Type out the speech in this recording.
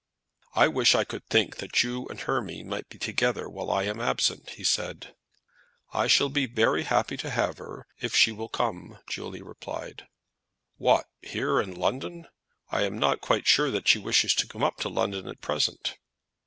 "I wish I could think that you and Hermy might be together while I am absent," he said. "I shall be very happy to have her if she will come to me," Julia replied. "What, here, in London? I am not quite sure that she wishes to come up to London at present."